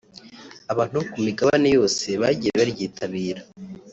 abantu bo ku migabane yose bagiye baryitabira